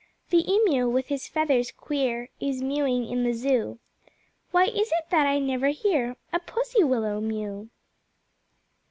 The Emu with his feathers queer Is mewing in the Zoo. Why is it that I never hear A Pussy willow mew?